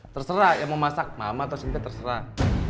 terserah yang mau masak mama atau sintia terserah